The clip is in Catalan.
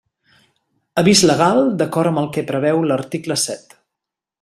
Avís legal d'acord amb el que preveu l'article set.